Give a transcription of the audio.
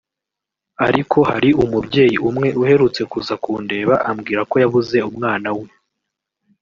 ariko hari umubyeyi umwe uherutse kuza kundeba ambwira ko yabuze umwana we